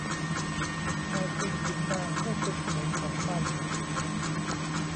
นายทุนขุนนางผู้เป็นสมุนของมัน